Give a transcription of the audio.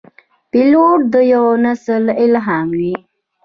پیلوټ د یوه نسل الهام وي.